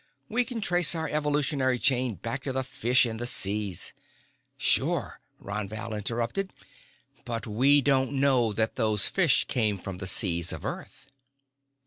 "We can trace our evolutionary chain back to the fish in the seas " "Sure," Ron Val interrupted. "But we don't know that those fish came from the seas of earth!"